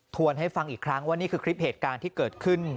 วนให้ฟังอีกครั้งว่านี่คือคลิปเหตุการณ์ที่เกิดขึ้น